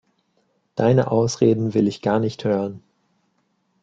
Deine Ausreden will ich gar nicht hören.